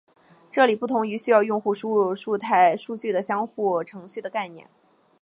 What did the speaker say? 这是不同于需要用户输入数据的交互程序的概念。